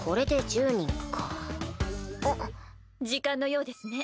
時間のようですね。